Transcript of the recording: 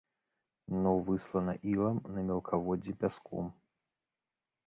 Дно выслана ілам, на мелкаводдзі пяском.